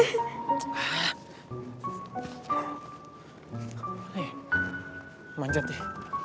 nih manjat deh